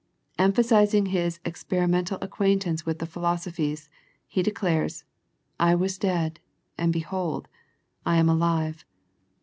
Em phasizing His experimental acquaintance with the philosophies, He declares " I was dead, and behold, I am alive."